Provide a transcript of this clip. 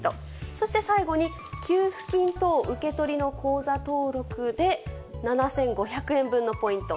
そして最後に、給付金等受け取りの口座登録で７５００円分のポイント。